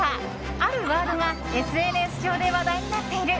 あるワードがＳＮＳ上で話題になっている。